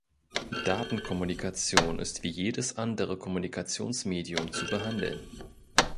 Datenkommunikation ist wie jedes andere Kommunikationsmedium zu behandeln.